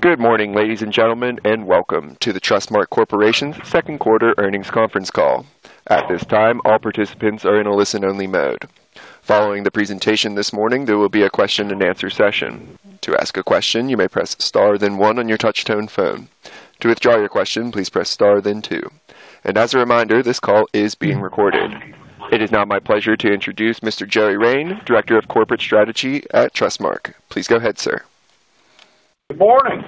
Good morning, ladies and gentlemen. Welcome to the Trustmark Corporation's second quarter earnings conference call. At this time, all participants are in a listen-only mode. Following the presentation this morning, there will be a question and answer session. To ask a question, you may press star then one on your touch-tone phone. To withdraw your question, please press star then two. As a reminder, this call is being recorded. It is now my pleasure to introduce Joey Rein, Director of Corporate Strategy at Trustmark. Please go ahead, sir. Good morning.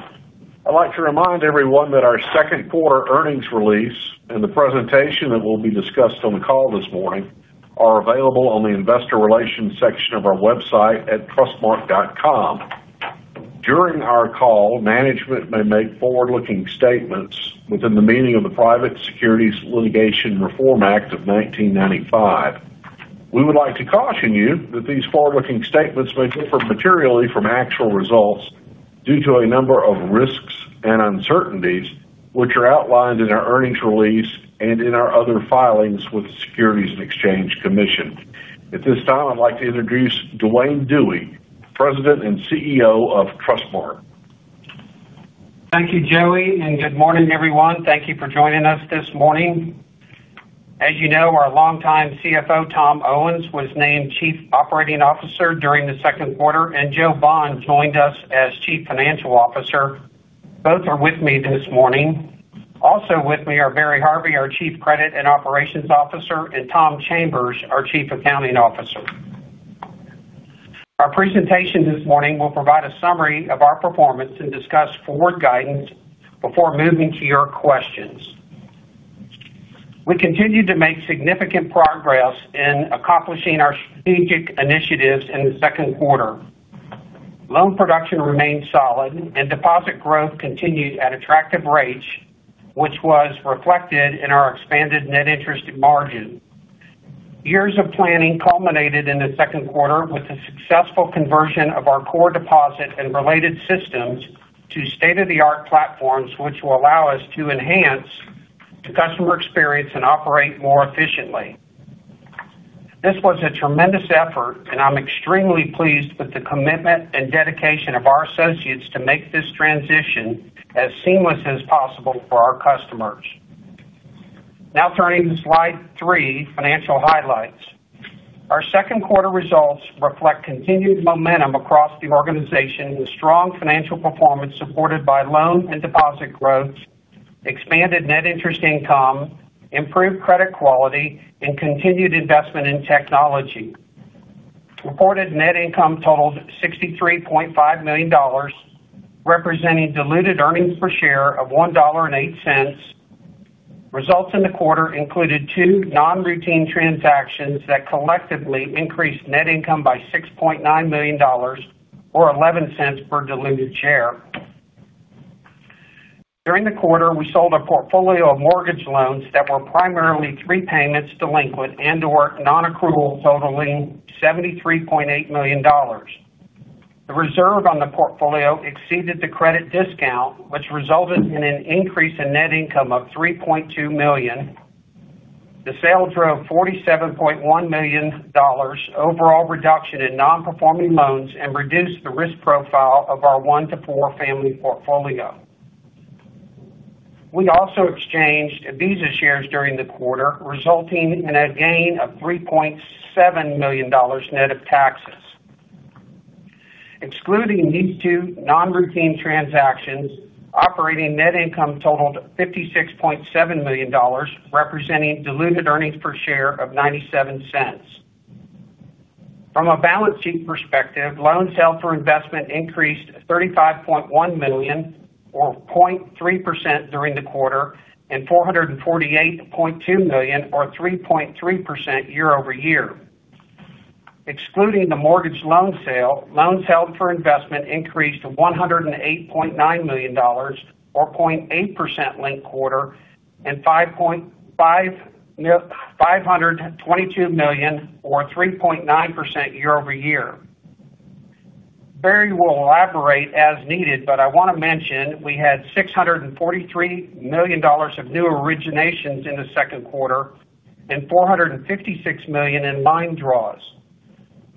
I'd like to remind everyone that our second quarter earnings release and the presentation that will be discussed on the call this morning are available on the investor relations section of our website at trustmark.com. During our call, management may make forward-looking statements within the meaning of the Private Securities Litigation Reform Act of 1995. We would like to caution you that these forward-looking statements may differ materially from actual results due to a number of risks and uncertainties, which are outlined in our earnings release and in our other filings with the Securities and Exchange Commission. At this time, I'd like to introduce Duane Dewey, President and CEO of Trustmark. Thank you, Joey. Good morning, everyone. Thank you for joining us this morning. As you know, our longtime CFO, Tom Owens, was named Chief Operating Officer during the second quarter, and Joe Bond joined us as Chief Financial Officer. Both are with me this morning. Also with me are Barry Harvey, our Chief Credit and Operations Officer, and Tom Chambers, our Chief Accounting Officer. Our presentation this morning will provide a summary of our performance and discuss forward guidance before moving to your questions. We continued to make significant progress in accomplishing our strategic initiatives in the second quarter. Loan production remained solid, and deposit growth continued at attractive rates, which was reflected in our expanded net interest margin. Years of planning culminated in the second quarter with the successful conversion of our core deposit and related systems to state-of-the-art platforms, which will allow us to enhance the customer experience and operate more efficiently. This was a tremendous effort. I'm extremely pleased with the commitment and dedication of our associates to make this transition as seamless as possible for our customers. Now turning to slide three, financial highlights. Our second quarter results reflect continued momentum across the organization with strong financial performance supported by loan and deposit growth, expanded net interest income, improved credit quality, and continued investment in technology. Reported net income totaled $63.5 million, representing diluted earnings per share of $1.08. Results in the quarter included two non-routine transactions that collectively increased net income by $6.9 million, or $0.11 per diluted share. During the quarter, we sold a portfolio of mortgage loans that were primarily three payments delinquent and/or non-accrual, totaling $73.8 million. The reserve on the portfolio exceeded the credit discount, which resulted in an increase in net income of $3.2 million. The sale drove $47.1 million overall reduction in non-performing loans and reduced the risk profile of our one to four family portfolio. We also exchanged Visa shares during the quarter, resulting in a gain of $3.7 million net of taxes. Excluding these two non-routine transactions, operating net income totaled $56.7 million, representing diluted earnings per share of $0.97. From a balance sheet perspective, loans held for investment increased $35.1 million, or 0.3% during the quarter, and $448.2 million or 3.3% year-over-year. Excluding the mortgage loan sale, loans held for investment increased to $108.9 million, or 0.8% linked quarter, and $522 million, or 3.9% year-over-year. Barry will elaborate as needed, but I want to mention we had $643 million of new originations in the second quarter and $456 million in line draws.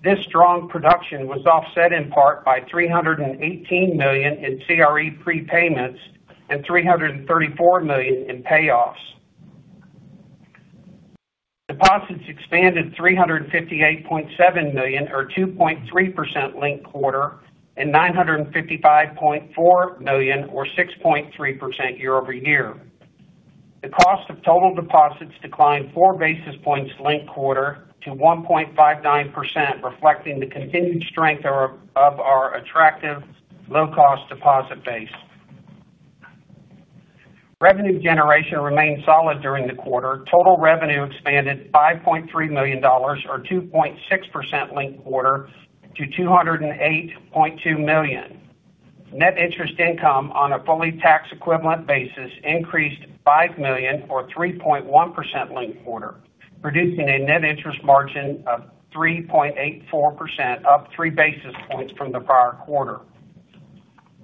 This strong production was offset in part by $318 million in commercial real estate prepayments and $334 million in payoffs. Deposits expanded $358.7 million, or 2.3% linked quarter, and $955.4 million, or 6.3% year-over-year. The cost of total deposits declined 4 basis points linked quarter to 1.59%, reflecting the continued strength of our attractive low-cost deposit base. Revenue generation remained solid during the quarter. Total revenue expanded $5.3 million, or 2.6% linked quarter, to $208.2 million. Net interest income on a fully tax equivalent basis increased $5 million or 3.1% linked quarter, producing a net interest margin of 3.84%, up 3 basis points from the prior quarter.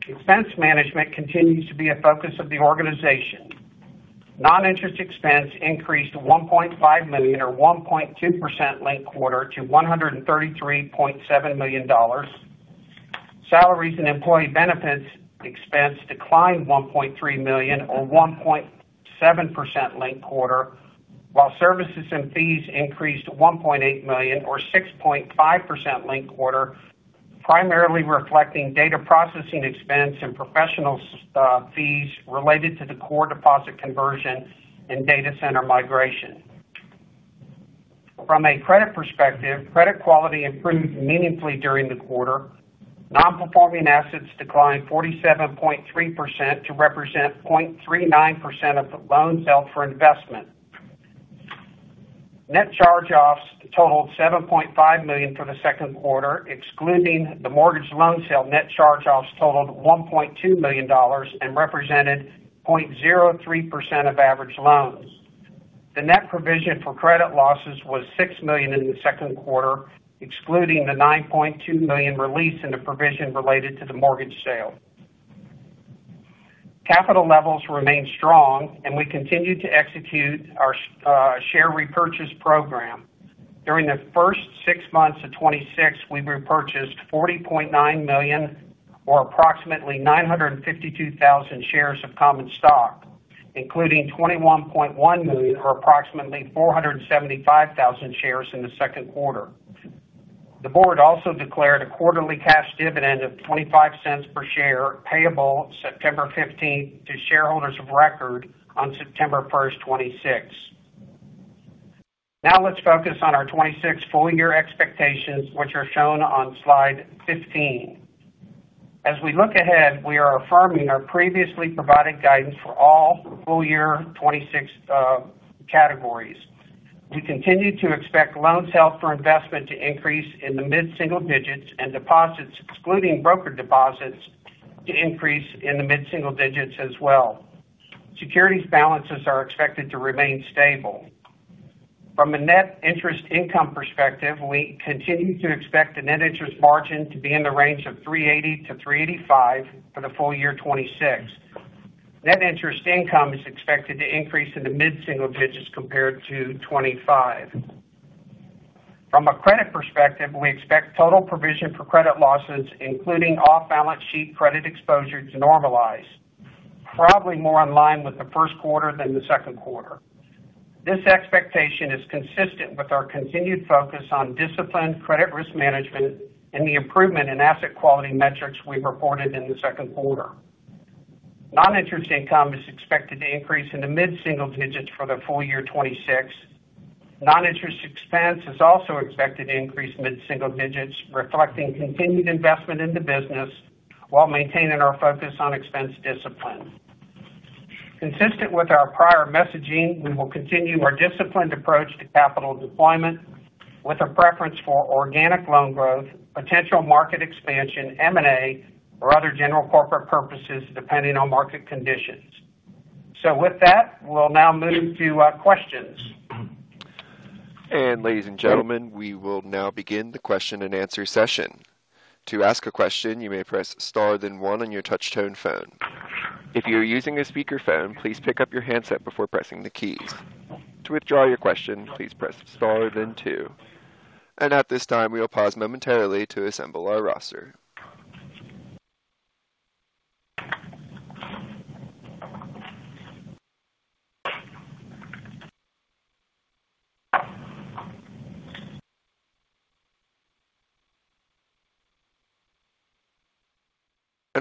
Expense management continues to be a focus of the organization. Non-interest expense increased to $1.5 million, or 1.2% linked quarter to $133.7 million. Salaries and employee benefits expense declined $1.3 million or 1.7% linked quarter, while services and fees increased $1.8 million or 6.5% linked quarter, primarily reflecting data processing expense and professional fees related to the core deposit conversion and data center migration. From a credit perspective, credit quality improved meaningfully during the quarter. Non-Performing Assets declined 47.3% to represent 0.39% of the loans held for investment. Net charge-offs totaled $7.5 million for the second quarter. Excluding the mortgage loan sale, net charge-offs totaled $1.2 million and represented 0.03% of average loans. The net provision for credit losses was $6 million in the second quarter, excluding the $9.2 million release in the provision related to the mortgage sale. Capital levels remained strong and we continued to execute our share repurchase program. During the first six months of 2026, we repurchased $40.9 million or approximately 952,000 shares of common stock, including $21.1 million or approximately 475,000 shares in the second quarter. The board also declared a quarterly cash dividend of $0.25 per share, payable September 15th to shareholders of record on September 1st, 2026. Now let's focus on our 2026 full year expectations, which are shown on slide 15. As we look ahead, we are affirming our previously provided guidance for all full year 2026 categories. We continue to expect loans held for investment to increase in the mid-single digits and deposits, excluding broker deposits, to increase in the mid-single digits as well. Securities balances are expected to remain stable. From a net interest income perspective, we continue to expect the net interest margin to be in the range of 380-385 for the full year 2026. Net interest income is expected to increase in the mid-single digits compared to 2025. From a credit perspective, we expect total provision for credit losses, including off-balance sheet credit exposure to normalize, probably more in line with the first quarter than the second quarter. This expectation is consistent with our continued focus on disciplined credit risk management and the improvement in asset quality metrics we reported in the second quarter. Non-interest income is expected to increase in the mid-single digits for the full year 2026. Non-interest expense is also expected to increase mid-single digits, reflecting continued investment in the business while maintaining our focus on expense discipline. Consistent with our prior messaging, we will continue our disciplined approach to capital deployment with a preference for organic loan growth, potential market expansion, M&A, or other general corporate purposes, depending on market conditions. With that, we'll now move to questions. Ladies and gentlemen, we will now begin the question and answer session. To ask a question, you may press star then one on your touch tone phone. If you are using a speakerphone, please pick up your handset before pressing the keys. To withdraw your question, please press star then two. At this time, we'll pause momentarily to assemble our roster.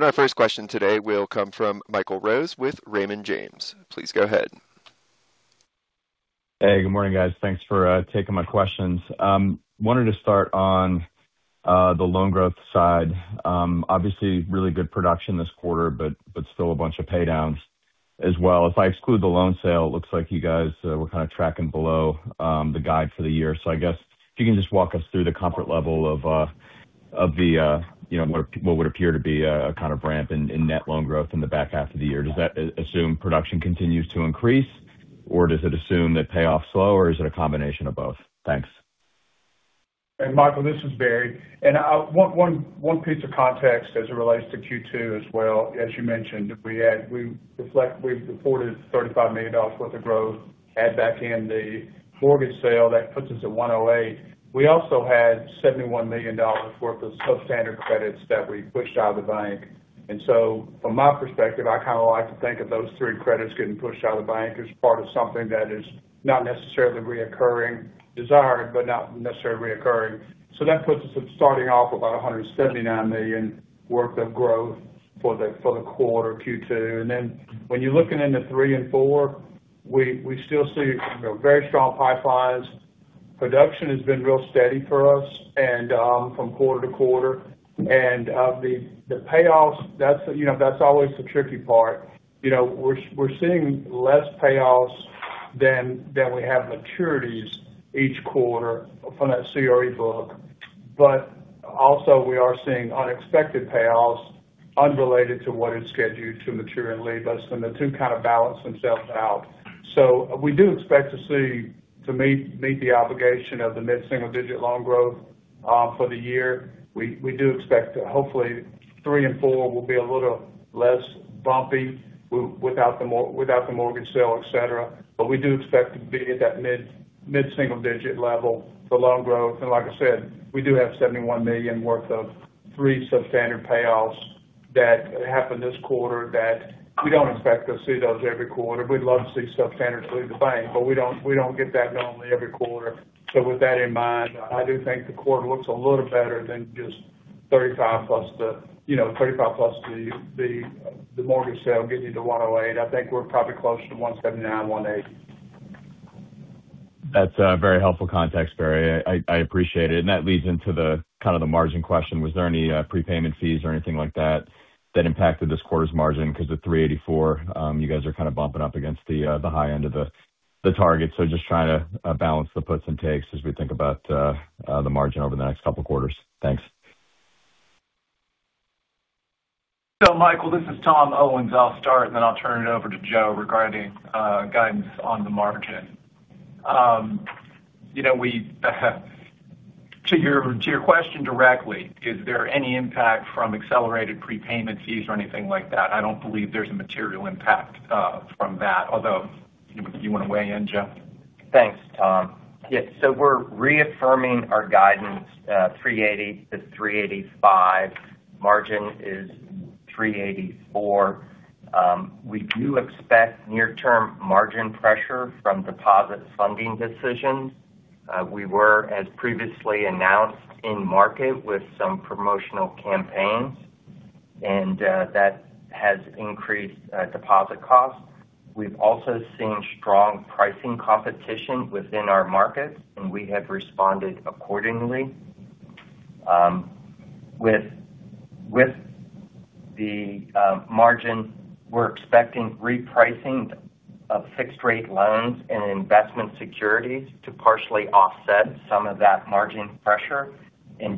Our first question today will come from Michael Rose with Raymond James. Please go ahead. Hey, good morning, guys. Thanks for taking my questions. Wanted to start on the loan growth side. Obviously, really good production this quarter, but still a bunch of paydowns as well. If I exclude the loan sale, it looks like you guys were kind of tracking below the guide for the year. I guess if you can just walk us through the comfort level of what would appear to be a kind of ramp in net loan growth in the back half of the year. Does that assume production continues to increase, or does it assume that payoffs slow, or is it a combination of both? Thanks. Hey, Michael, this is Barry. One piece of context as it relates to Q2 as well. As you mentioned, we've reported $35 million worth of growth. Add back in the mortgage sale, that puts us at $108. We also had $71 million worth of substandard credits that we pushed out of the bank. From my perspective, I kind of like to think of those three credits getting pushed out of the bank as part of something that is not necessarily reoccurring, desired, but not necessarily reoccurring. That puts us at starting off about $179 million worth of growth for the quarter Q2. When you're looking into three and four, we still see very strong high fives. Production has been real steady for us from quarter to quarter. The payoffs, that's always the tricky part. We're seeing less payoffs than we have maturities each quarter from that CRE book. Also, we are seeing unexpected payoffs unrelated to what is scheduled to mature and leave us, and the two kind of balance themselves out. We do expect to meet the obligation of the mid-single-digit loan growth for the year. We do expect that hopefully three and four will be a little less bumpy without the mortgage sale, et cetera. We do expect to be at that mid-single-digit level for loan growth. Like I said, we do have $71 million worth of three substandard payoffs that happened this quarter that we don't expect to see those every quarter. We'd love to see substandard leave the bank. We don't get that normally every quarter. With that in mind, I do think the quarter looks a little better than just $35+ the mortgage sale getting you to $108. I think we're probably closer to $179, $180. That's very helpful context, Barry. I appreciate it. That leads into the margin question. Was there any prepayment fees or anything like that impacted this quarter's margin? Because the 384, you guys are kind of bumping up against the high end of the target. Just trying to balance the puts and takes as we think about the margin over the next couple of quarters. Thanks. Michael, this is Tom Owens. I'll start, and then I'll turn it over to Joe regarding guidance on the margin. To your question directly, is there any impact from accelerated prepayment fees or anything like that? I don't believe there's a material impact from that. Although, you want to weigh in, Joe? Thanks, Tom. We're reaffirming our guidance, 380-385. Margin is 384. We do expect near-term margin pressure from deposit funding decisions. We were, as previously announced, in market with some promotional campaigns, and that has increased deposit costs. We've also seen strong pricing competition within our markets, and we have responded accordingly. With the margin, we're expecting repricing of fixed-rate loans and investment securities to partially offset some of that margin pressure.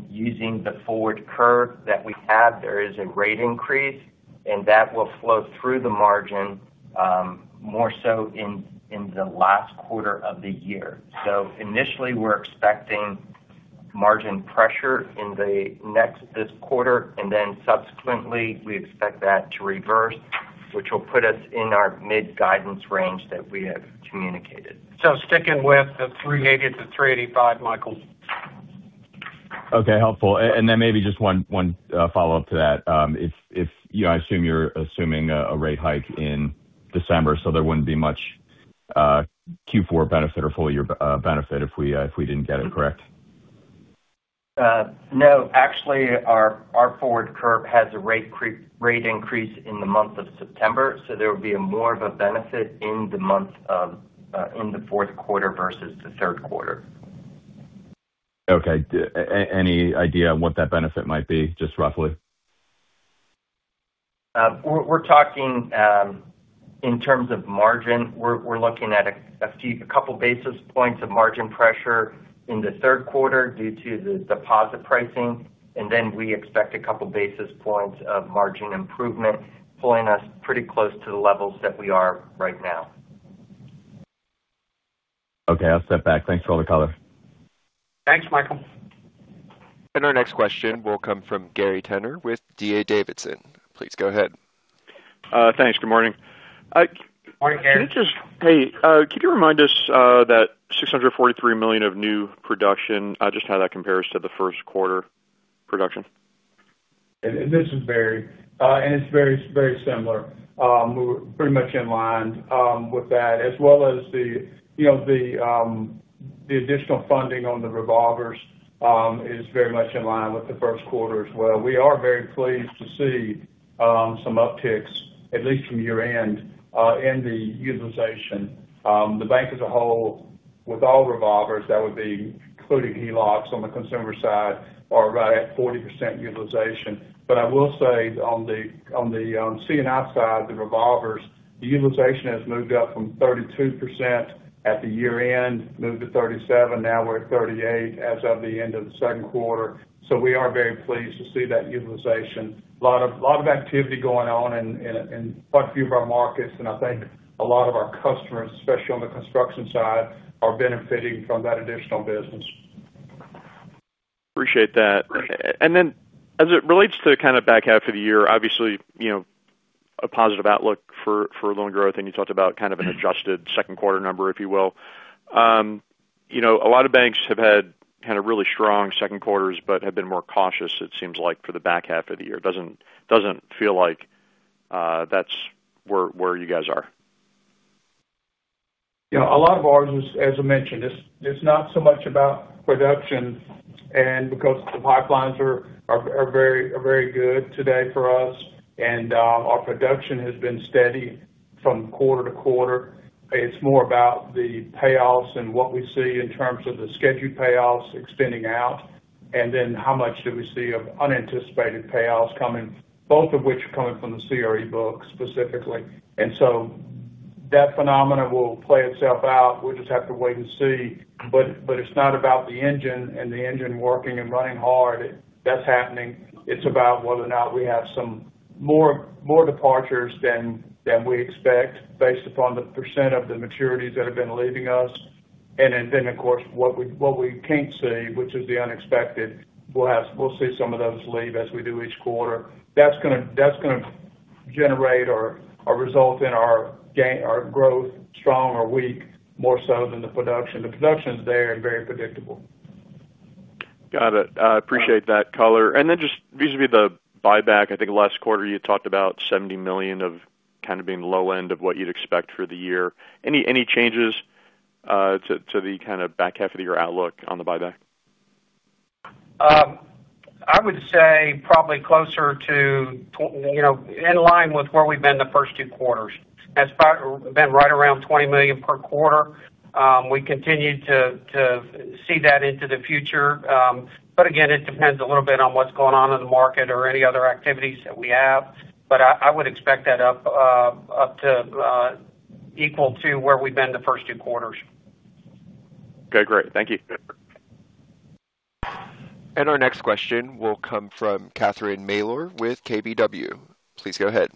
Using the forward curve that we have, there is a rate increase, and that will flow through the margin more so in the last quarter of the year. Initially, we're expecting margin pressure in this quarter, and then subsequently, we expect that to reverse, which will put us in our mid-guidance range that we have communicated. Sticking with the 380-385, Michael. Okay, helpful. Then maybe just one follow-up to that. I assume you're assuming a rate hike in December, so there wouldn't be much Q4 benefit or full-year benefit if we didn't get it, correct? No. Actually, our forward curve has a rate increase in the month of September, so there will be more of a benefit in the fourth quarter versus the third quarter. Okay. Any idea on what that benefit might be, just roughly? We're talking in terms of margin. We're looking at a couple basis points of margin pressure in the third quarter due to the deposit pricing, then we expect a couple basis points of margin improvement, pulling us pretty close to the levels that we are right now. Okay. I'll step back. Thanks for all the color. Thanks, Michael. Our next question will come from Gary Tenner with D.A. Davidson. Please go ahead. Thanks. Good morning. Morning, Gary. Can you remind us that $643 million of new production, just how that compares to the first quarter production? This is Barry. It's very similar. We're pretty much in line with that, as well as the additional funding on the revolvers is very much in line with the first quarter as well. We are very pleased to see some upticks, at least from year-end, in the utilization. The bank as a whole, with all revolvers, that would be including home equity lines of credits on the consumer side, are right at 40% utilization. I will say on the C&I side, the revolvers, the utilization has moved up from 32% at the year-end, moved to 37%. Now we're at 38 as of the end of the second quarter. We are very pleased to see that utilization. A lot of activity going on in quite a few of our markets, and I think a lot of our customers, especially on the construction side, are benefiting from that additional business. Appreciate that. As it relates to kind of back half of the year, obviously, a positive outlook for loan growth, and you talked about kind of an adjusted second quarter number, if you will. A lot of banks have had really strong second quarters but have been more cautious, it seems like, for the back half of the year. It doesn't feel like that's where you guys are. A lot of ours is, as I mentioned, it's not so much about production because the pipelines are very good today for us. Our production has been steady from quarter to quarter. It's more about the payoffs and what we see in terms of the scheduled payoffs extending out, and then how much do we see of unanticipated payoffs coming, both of which are coming from the CRE book specifically. That phenomenon will play itself out. We'll just have to wait and see. It's not about the engine and the engine working and running hard. That's happening. It's about whether or not we have some more departures than we expect based upon the percent of the maturities that have been leaving us. Of course, what we can't see, which is the unexpected. We'll see some of those leave as we do each quarter. That's going to generate or result in our growth, strong or weak, more so than the production. The production's there and very predictable. Got it. I appreciate that color. Just vis-a-vis the buyback, I think last quarter you had talked about $70 million of kind of being low end of what you'd expect for the year. Any changes to the kind of back half of the year outlook on the buyback? I would say probably in line with where we've been the first two quarters. That's probably been right around $20 million per quarter. We continue to see that into the future. Again, it depends a little bit on what's going on in the market or any other activities that we have. I would expect that up to equal to where we've been the first two quarters. Okay, great. Thank you. Our next question will come from Catherine Mealor with KBW. Please go ahead.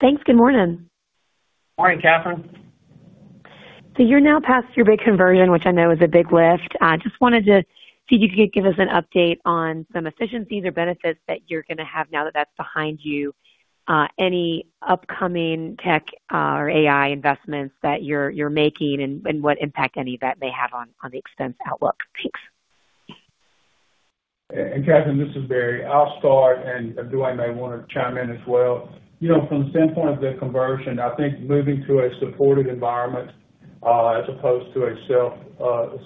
Thanks. Good morning. Morning, Catherine. You're now past your big conversion, which I know is a big lift. I just wanted to see if you could give us an update on some efficiencies or benefits that you're going to have now that that's behind you, any upcoming tech or AI investments that you're making, and what impact any of that may have on the expense outlook. Thanks. Catherine, this is Barry. I'll start, and Duane may want to chime in as well. From the standpoint of the conversion, I think moving to a supported environment as opposed to a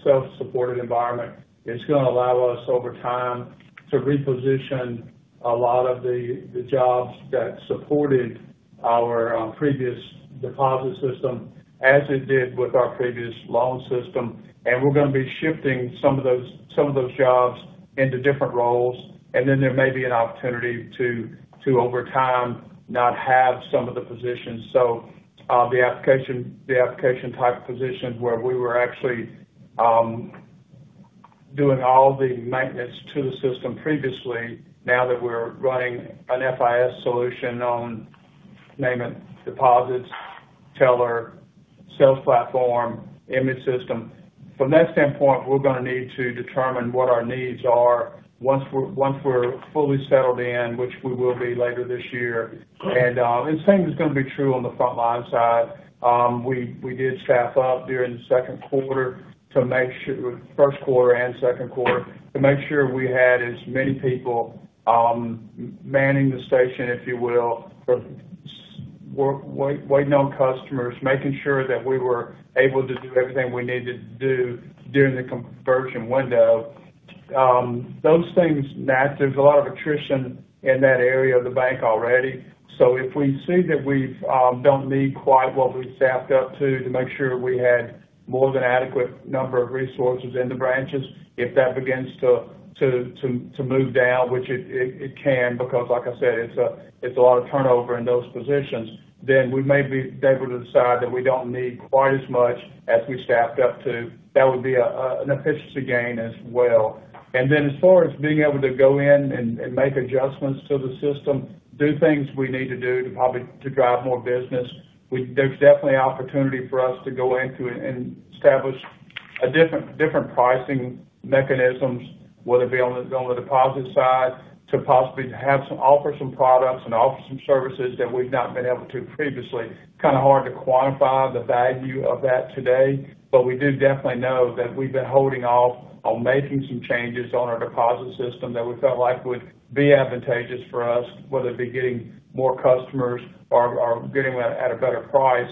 self-supported environment, it's going to allow us over time to reposition a lot of the jobs that supported our previous deposit system as it did with our previous loan system, and we're going to be shifting some of those jobs into different roles. Then there may be an opportunity to, over time, not have some of the positions. So, the application type positions where we were actually doing all the maintenance to the system previously, now that we're running an FIS solution on payment deposits, teller, sales platform, image system. From that standpoint, we're going to need to determine what our needs are once we're fully settled in, which we will be later this year. The same is going to be true on the front line side. We did staff up during the first quarter and second quarter to make sure we had as many people manning the station, if you will, waiting on customers, making sure that we were able to do everything we needed to do during the conversion window. Those things, there's a lot of attrition in that area of the bank already. If we see that we don't need quite what we staffed up to make sure we had more than adequate number of resources in the branches, if that begins to move down, which it can, because like I said, it's a lot of turnover in those positions, then we may be able to decide that we don't need quite as much as we staffed up to. That would be an efficiency gain as well. As far as being able to go in and make adjustments to the system, do things we need to do to drive more business, there's definitely opportunity for us to go into and establish different pricing mechanisms, whether it be on the deposit side to possibly offer some products and offer some services that we've not been able to previously. Kind of hard to quantify the value of that today. We do definitely know that we've been holding off on making some changes on our deposit system that we felt like would be advantageous for us, whether it be getting more customers or getting at a better price.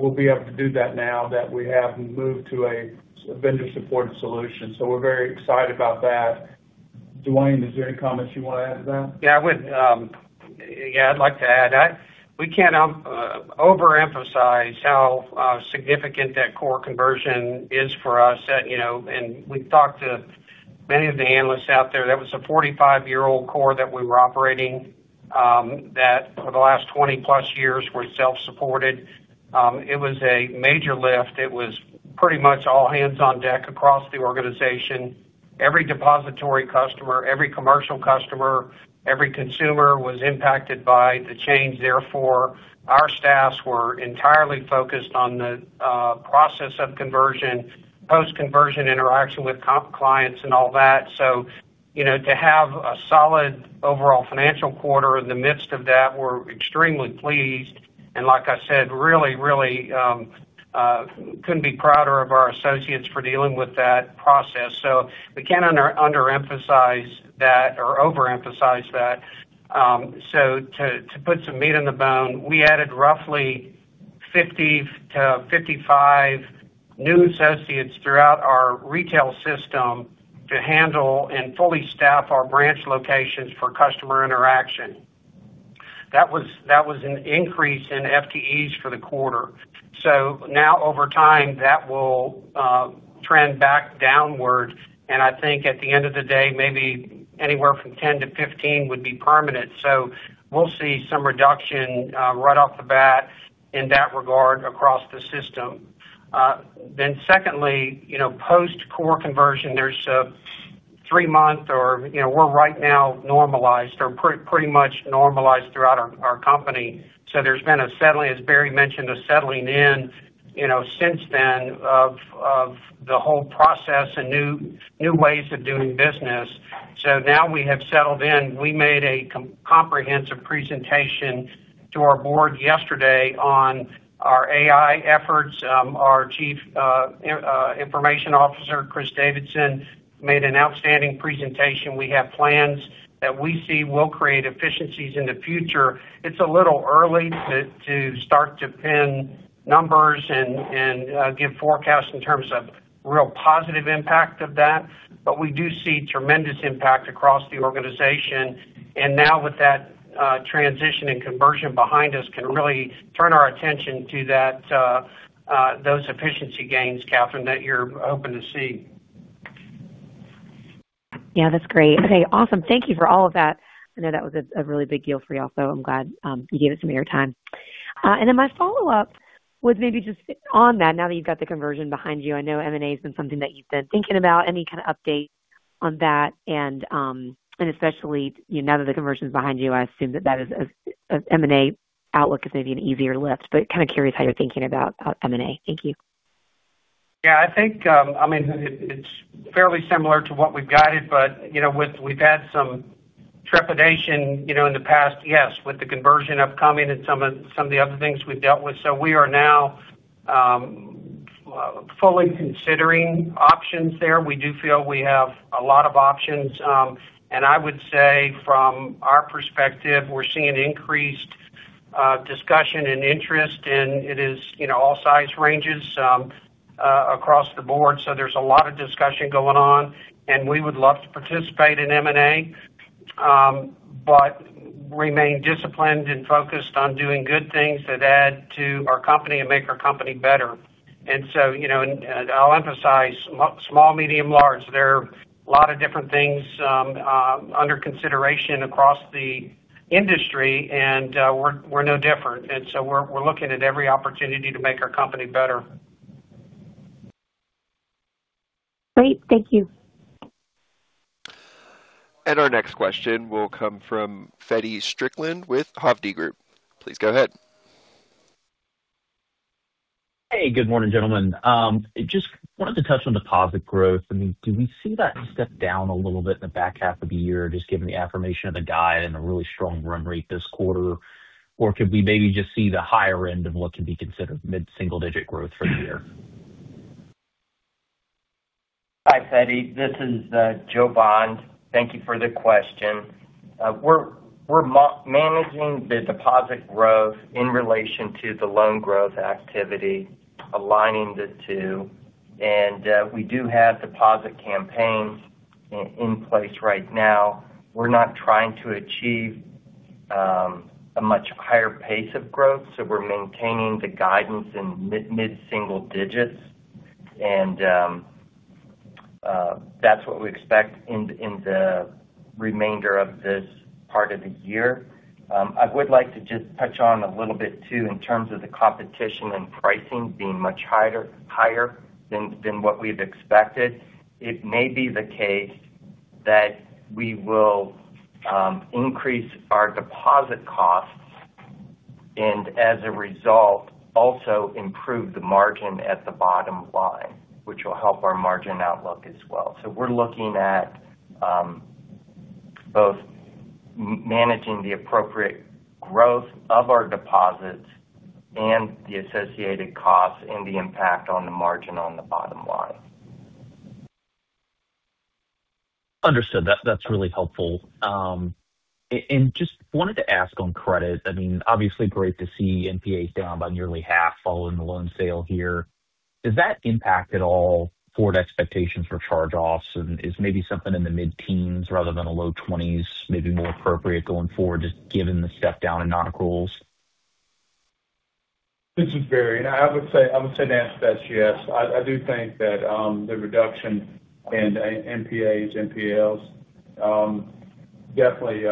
We'll be able to do that now that we have moved to a vendor-supported solution. We're very excited about that. Duane, is there any comments you want to add to that? Yeah, I'd like to add. We can't overemphasize how significant that core conversion is for us. We've talked to many of the analysts out there. That was a 45-year-old core that we were operating, that for the last 20+ years, were self-supported. It was a major lift. It was pretty much all hands on deck across the organization. Every depository customer, every commercial customer, every consumer was impacted by the change. Therefore, our staffs were entirely focused on the process of conversion, post-conversion interaction with comp clients and all that. To have a solid overall financial quarter in the midst of that, we're extremely pleased, and like I said, really couldn't be prouder of our associates for dealing with that process. We can't overemphasize that. To put some meat on the bone, we added roughly 50-55 new associates throughout our retail system to handle and fully staff our branch locations for customer interaction. That was an increase in FTEs for the quarter. Now over time, that will trend back downward. I think at the end of the day, maybe anywhere from 10-15 would be permanent. We'll see some reduction right off the bat in that regard across the system. Secondly, post-core conversion, there's a three-month or we're right now normalized or pretty much normalized throughout our company. There's been, as Barry mentioned, a settling in since then of the whole process and new ways of doing business. Now we have settled in. We made a comprehensive presentation to our board yesterday on our AI efforts. Our chief information officer, Chris Davidson, made an outstanding presentation. We have plans that we see will create efficiencies in the future. It's a little early to start to pin numbers and give forecasts in terms of real positive impact of that. We do see tremendous impact across the organization. Now with that transition and conversion behind us, can really turn our attention to those efficiency gains, Catherine, that you're hoping to see. Yeah, that's great. Okay, awesome. Thank you for all of that. I know that was a really big deal for you all, so I'm glad you gave us some of your time. My follow-up was maybe just on that, now that you've got the conversion behind you, I know M&A has been something that you've been thinking about. Any kind of update on that? Especially now that the conversion is behind you, I assume that M&A outlook is maybe an easier lift, but kind of curious how you're thinking about M&A. Thank you. Yeah, I think it's fairly similar to what we've guided, but we've had some trepidation in the past, yes, with the conversion upcoming and some of the other things we've dealt with. We are now fully considering options there. We do feel we have a lot of options. I would say from our perspective, we're seeing increased discussion and interest, and it is all size ranges across the board. There's a lot of discussion going on, and we would love to participate in M&A but remain disciplined and focused on doing good things that add to our company and make our company better. I'll emphasize small, medium, large. There are a lot of different things under consideration across the industry, and we're no different. We're looking at every opportunity to make our company better. Great. Thank you. Our next question will come from Feddie Strickland with Hovde Group. Please go ahead. Hey, good morning, gentlemen. Just wanted to touch on deposit growth. Do we see that step down a little bit in the back half of the year, just given the affirmation of the guide and the really strong run rate this quarter? Could we maybe just see the higher end of what could be considered mid-single digit growth for the year? Hi, Feddie. This is Joe Bond. Thank you for the question. We're managing the deposit growth in relation to the loan growth activity, aligning the two. We do have deposit campaigns in place right now. We're not trying to achieve a much higher pace of growth, so we're maintaining the guidance in mid-single digits. That's what we expect in the remainder of this part of the year. I would like to just touch on a little bit, too, in terms of the competition and pricing being much higher than what we've expected. It may be the case that we will increase our deposit costs and as a result, also improve the margin at the bottom line, which will help our margin outlook as well. We're looking at both managing the appropriate growth of our deposits and the associated costs and the impact on the margin on the bottom line. Understood. That's really helpful. Just wanted to ask on credit, obviously great to see NPAs down by nearly half following the loan sale here. Does that impact at all forward expectations for charge-offs, and is maybe something in the mid-teens rather than the low 20s maybe more appropriate going forward, just given the step down in non-accruals? This is Barry, I would say the answer to that is yes. I do think that the reduction in nonperforming assets, NPLs definitely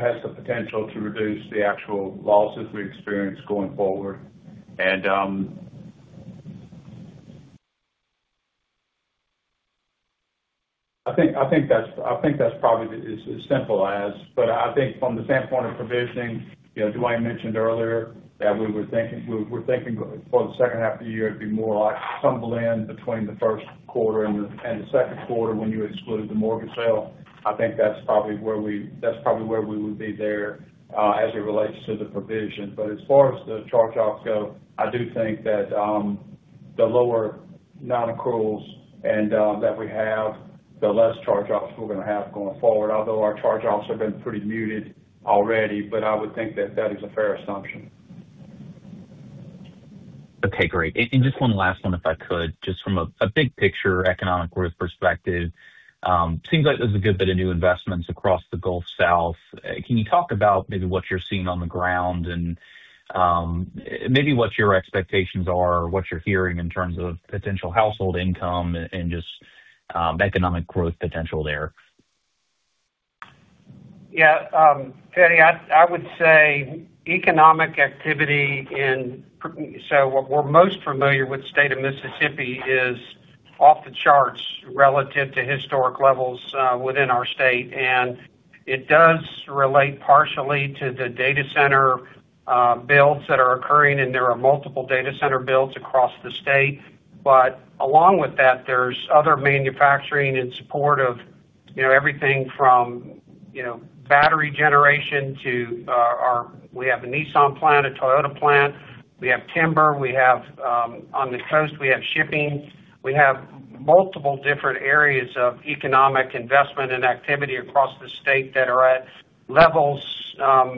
has the potential to reduce the actual losses we experience going forward. I think that's probably as simple as. I think from the standpoint of provisioning, Duane mentioned earlier that we were thinking for the second half of the year, it'd be more like some blend between the first quarter and the second quarter when you exclude the mortgage sale. I think that's probably where we would be there as it relates to the provision. As far as the charge-offs go, I do think that the lower non-accruals and that we have, the less charge-offs we're going to have going forward, although our charge-offs have been pretty muted already. I would think that that is a fair assumption. Okay, great. Just one last one if I could. Just from a big picture economic growth perspective, seems like there's a good bit of new investments across the Gulf South. Can you talk about maybe what you're seeing on the ground and maybe what your expectations are or what you're hearing in terms of potential household income and just economic growth potential there? Yeah. Teddy, I would say economic activity. So what we're most familiar with the State of Mississippi is off the charts relative to historic levels within our state. It does relate partially to the data center builds that are occurring, and there are multiple data center builds across the state. Along with that, there's other manufacturing in support of everything from battery generation. We have a Nissan plant, a Toyota plant. We have timber. On the coast, we have shipping. We have multiple different areas of economic investment and activity across the state that are at levels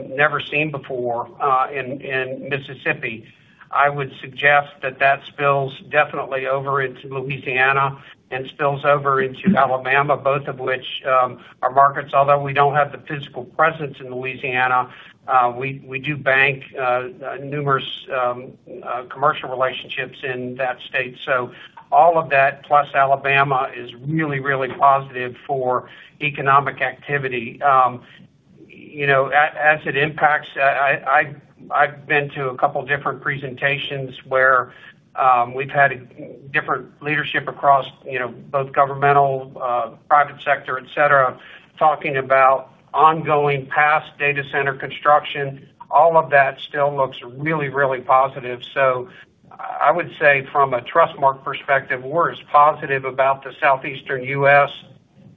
never seen before in Mississippi. I would suggest that that spills definitely over into Louisiana and spills over into Alabama, both of which are markets. Although we don't have the physical presence in Louisiana, we do bank numerous commercial relationships in that state. All of that, plus Alabama, is really positive for economic activity. As it impacts, I've been to a couple different presentations where we've had different leadership across both governmental, private sector, et cetera, talking about ongoing past data center construction. All of that still looks really positive. I would say from a Trustmark perspective, we're as positive about the Southeastern U.S.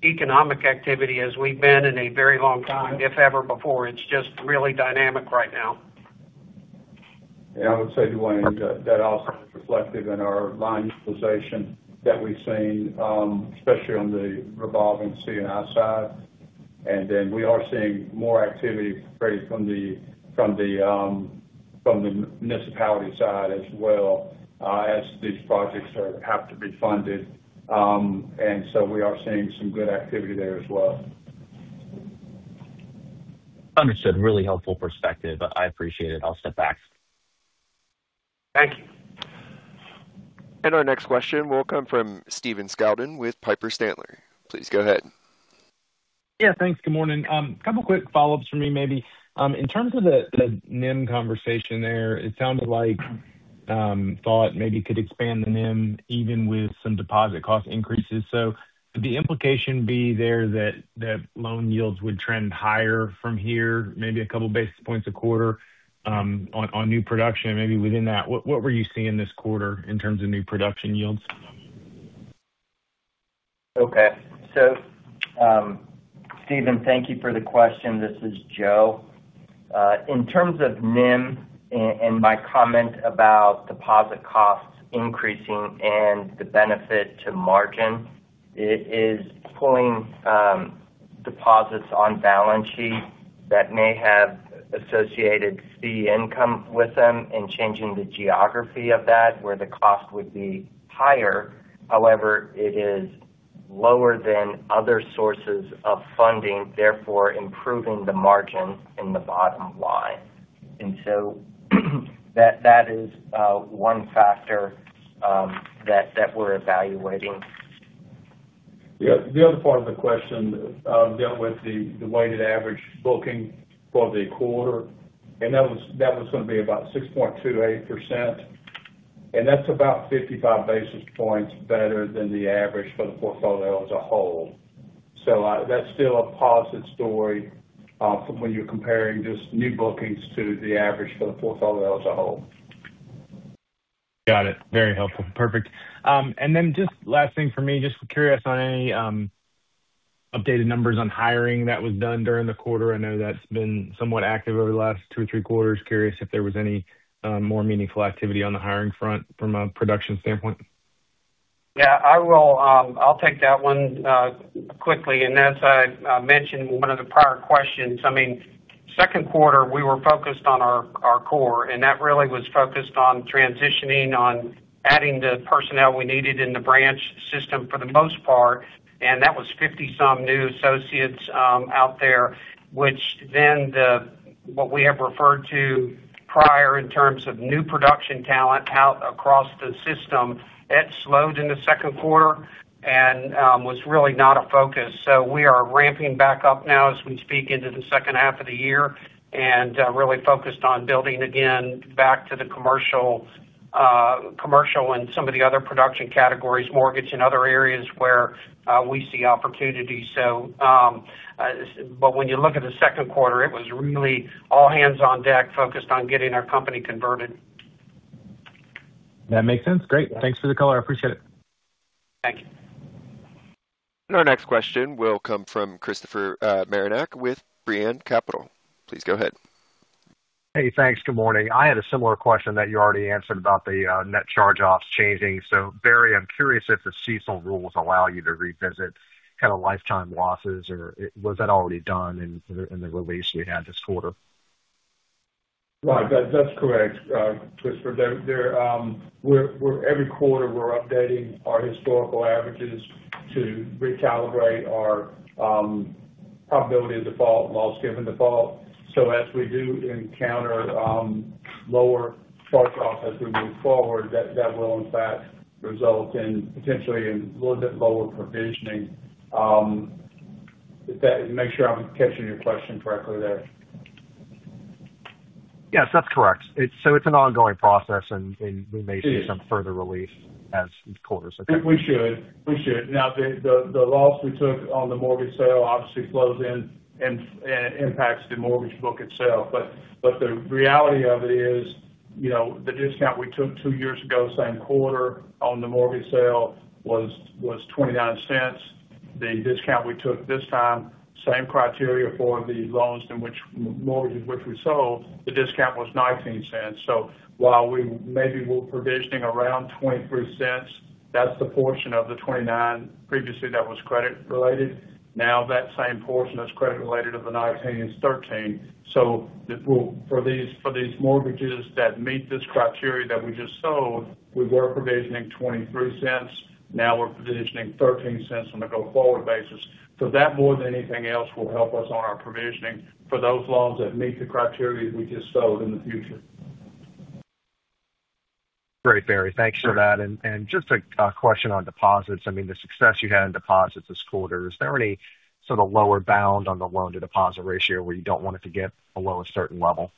economic activity as we've been in a very long time, if ever before. It's just really dynamic right now. Yeah. I would say, Duane, that also is reflective in our line utilization that we've seen, especially on the revolving C&I side. We are seeing more activity from the municipality side as well as these projects have to be funded. We are seeing some good activity there as well. Understood. Really helpful perspective. I appreciate it. I'll step back. Thank you. Our next question will come from Stephen Scouten with Piper Sandler. Please go ahead. Yeah, thanks. Good morning. Couple quick follow-ups from me maybe. In terms of the NIM conversation there, it sounded like thought maybe you could expand the NIM even with some deposit cost increases. Would the implication be there that loan yields would trend higher from here, maybe a couple basis points a quarter on new production? Maybe within that, what were you seeing this quarter in terms of new production yields? Okay. Stephen, thank you for the question. This is Joe. In terms of NIM and my comment about deposit costs increasing and the benefit to margin, it is pulling deposits on balance sheets that may have associated fee income with them and changing the geography of that, where the cost would be higher. However, it is lower than other sources of funding, therefore improving the margin in the bottom line. That is one factor that we're evaluating. The other part of the question dealt with the weighted average booking for the quarter, that was going to be about 6.28%. That's about 55 basis points better than the average for the portfolio as a whole. That's still a positive story from when you're comparing just new bookings to the average for the portfolio as a whole. Got it. Very helpful. Perfect. Just last thing for me, just curious on any updated numbers on hiring that was done during the quarter. I know that's been somewhat active over the last two or three quarters. Curious if there was any more meaningful activity on the hiring front from a production standpoint. Yeah. I'll take that one quickly, as I mentioned in one of the prior questions, second quarter, we were focused on our core, that really was focused on transitioning, on adding the personnel we needed in the branch system for the most part. That was 50 some new associates out there, which what we have referred to prior in terms of new production talent out across the system, it slowed in the second quarter and was really not a focus. We are ramping back up now as we speak into the second half of the year really focused on building again back to the commercial and some of the other production categories, mortgage and other areas where we see opportunity. When you look at the second quarter, it was really all hands on deck focused on getting our company converted. That makes sense. Great. Thanks for the color. I appreciate it. Thank you. Our next question will come from Christopher Marinac with Brean Capital. Please go ahead. Hey, thanks. Good morning. I had a similar question that you already answered about the net charge-offs changing. Barry, I'm curious if the current expected credit loss rules allow you to revisit lifetime losses, or was that already done in the release we had this quarter? That's correct, Christopher. Every quarter, we're updating our historical averages to recalibrate our probability of default, loss given default. As we do encounter lower charge-off as we move forward, that will in fact result in potentially a little bit lower provisioning. Make sure I'm catching your question correctly there. Yes, that's correct. It's an ongoing process, and we may see some further relief as quarters- We should. Now, the loss we took on the mortgage sale obviously flows in and impacts the mortgage book itself. The reality of it is, the discount we took two years ago, same quarter on the mortgage sale, was $0.29. The discount we took this time, same criteria for the loans in which mortgages which we sold, the discount was $0.19. While maybe we're provisioning around $0.23, that's the portion of the 29 previously that was credit related. Now that same portion that's credit related of the 19 is 13. For these mortgages that meet this criteria that we just sold, we were provisioning $0.23. Now we're provisioning $0.13 on a go-forward basis. That more than anything else will help us on our provisioning for those loans that meet the criteria we just sold in the future. Great, Barry. Thanks for that. Just a question on deposits. The success you had in deposits this quarter, is there any sort of lower bound on the loan-to-deposit ratio where you don't want it to get below a certain level?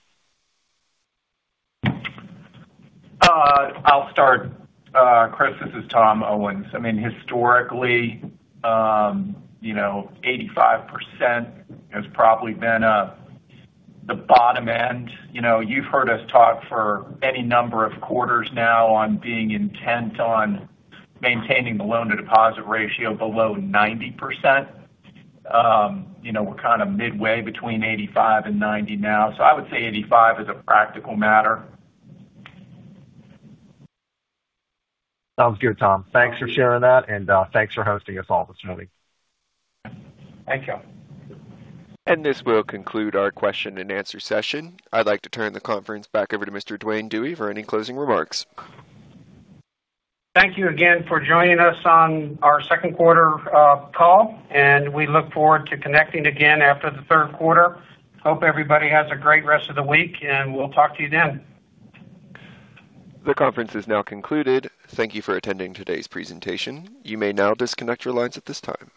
I'll start. Chris, this is Tom Owens. Historically, 85% has probably been the bottom end. You've heard us talk for any number of quarters now on being intent on maintaining the loan-to-deposit ratio below 90%. We're kind of midway between 85% and 90% now, so I would say 85 as a practical matter. Sounds good, Tom. Thanks for sharing that and thanks for hosting us all this morning. Thank you. This will conclude our question-and-answer session. I'd like to turn the conference back over to Mr. Duane Dewey for any closing remarks. Thank you again for joining us on our second quarter call, and we look forward to connecting again after the third quarter. Hope everybody has a great rest of the week, and we'll talk to you then. The conference is now concluded. Thank you for attending today's presentation. You may now disconnect your lines at this time.